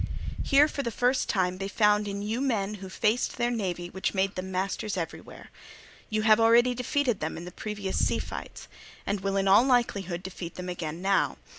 Here for the first time they found in you men who faced their navy which made them masters everywhere; you have already defeated them in the previous sea fights, and will in all likelihood defeat them again now.